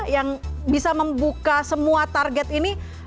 yang bisa membuka semua target ini